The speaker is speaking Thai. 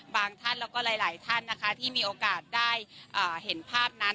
ท่านแล้วก็หลายท่านนะคะที่มีโอกาสได้เห็นภาพนั้น